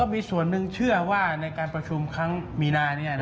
มีส่วนหนึ่งเชื่อว่าในการประชุมครั้งมีนา